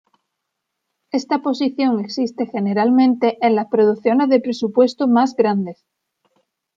Esta posición existe generalmente en las producciones de presupuesto más grandes.